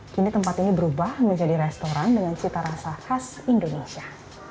kini tempat ini berubah menjadi restoran dengan cita rasa khas indonesia